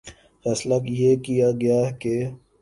فیصلہ یہ کیا گیا کہ